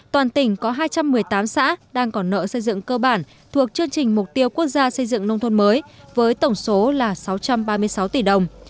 toàn tỉnh có hai trăm một mươi tám xã đang còn nợ xây dựng cơ bản thuộc chương trình mục tiêu quốc gia xây dựng nông thôn mới với tổng số là sáu trăm ba mươi sáu tỷ đồng